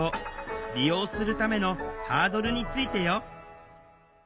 利用するためのハードルについてよ